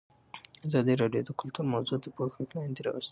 ازادي راډیو د کلتور موضوع تر پوښښ لاندې راوستې.